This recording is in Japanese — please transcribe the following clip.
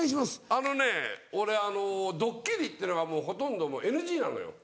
あのね俺ドッキリっていうのがもうほとんどＮＧなのよ。